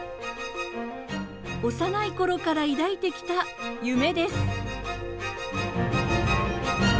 幼いころから抱いてきた夢です。